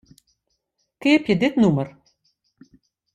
Keapje dit nûmer.